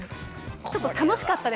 ちょっと楽しかったです。